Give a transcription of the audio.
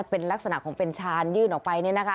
เป็นลักษณะของเป็นชานยื่นออกไปเนี่ยนะคะ